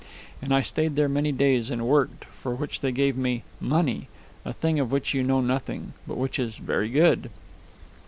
And I stayed there many days, and worked, for which they gave me money a thing of which you know nothing, but which is very good.